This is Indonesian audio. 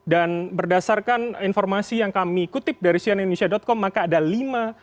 dan berdasarkan informasi yang kami kutip dari sianainunisia com maka ada lima